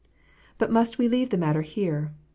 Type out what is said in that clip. But must we leave the matter here ?